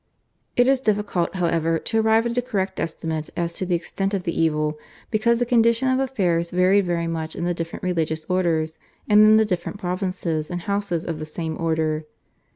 It is difficult, however, to arrive at a correct estimate as to the extent of the evil, because the condition of affairs varied very much in the different religious orders and in the different provinces and houses of the same order.